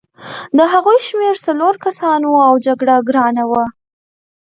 د هغوی شمېر څلور کسان وو او جګړه ګرانه وه